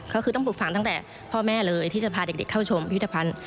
ก็คือต้องปลูกฝังตั้งแต่พ่อแม่เลยที่จะพาเด็กเข้าชมพิพิธภัณฑ์